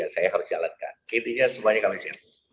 saya harus jalankan intinya semuanya kami siap